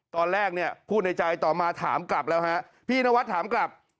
ตอนแรกเนี่ยพูดในใจต่อมาถามกลับแล้วฮะพี่นวัดถามกลับ